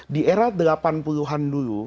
di era delapan puluh an dulu